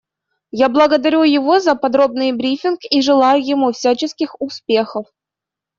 Я благодарю его за подробный брифинг и желаю ему всяческих успехов.